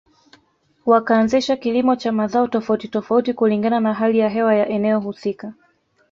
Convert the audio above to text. Wakaanzisha kilimo cha mazao tofauti tofauti kulingana na hali ya hewa ya eneo husika